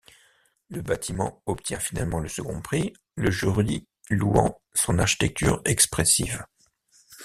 Le bâtiment obtient finalement le second prix, le jury louant son architecture expressive.